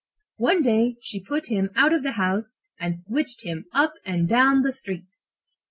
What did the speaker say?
One day she put him out of the house and switched him up and down the street.